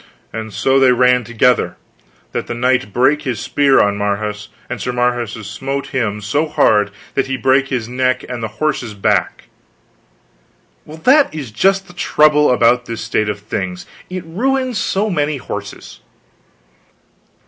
And so they ran together that the knight brake his spear on Marhaus, and Sir Marhaus smote him so hard that he brake his neck and the horse's back " "Well, that is just the trouble about this state of things, it ruins so many horses."